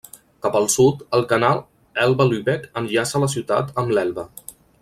Cap al sud, el canal Elba-Lübeck enllaça la ciutat amb l'Elba.